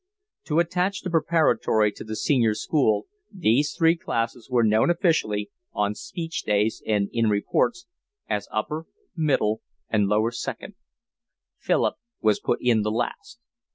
To attach the preparatory to the senior school these three classes were known officially, on speech days and in reports, as upper, middle, and lower second. Philip was put in the last.